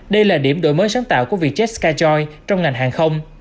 đây là điểm đổi mới sáng tạo của vietjet skyjoy trong ngành hàng không